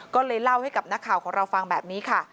ก็เลยเล่าให้กับนักข่าวของเราฟังแบบนี้ค่ะ